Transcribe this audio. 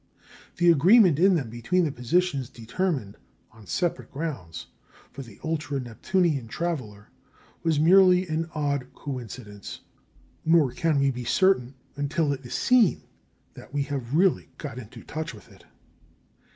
The agreement in them between the positions determined, on separate grounds, for the ultra Neptunian traveller was merely an odd coincidence; nor can we be certain, until it is seen, that we have really got into touch with it.